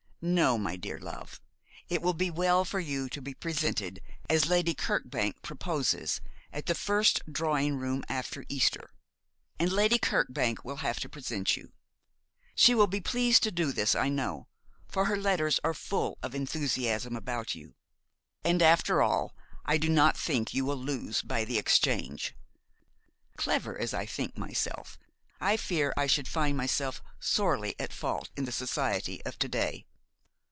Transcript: No, my dear love, it will be well for you to be presented, as Lady Kirkbank proposes, at the first drawing room after Easter; and Lady Kirkbank will have to present you. She will be pleased to do this, I know, for her letters are full of enthusiasm about you. And, after all, I do not think you will lose by the exchange. Clever as I think myself, I fear I should find myself sorely at fault in the society of to day.